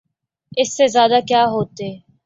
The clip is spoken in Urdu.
اس سے زیادہ کیا ہوتے؟